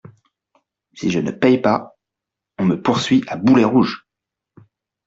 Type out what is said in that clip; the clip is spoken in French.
Si je ne paie pas, on me poursuit à boulets rouges.